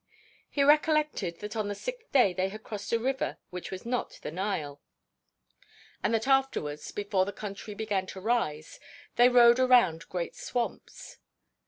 He recollected that on the sixth day they crossed a river which was not the Nile, and that afterwards, before the country began to rise, they rode around great swamps.